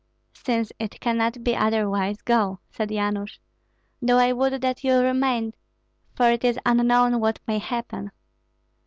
"Since it cannot be otherwise, go," said Yanush, "though I would that you remained, for it is unknown what may happen."